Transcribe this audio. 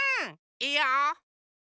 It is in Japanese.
いいよ！